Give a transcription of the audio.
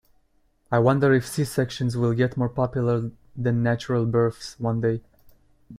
I wonder if C-sections will get more popular than natural births one day.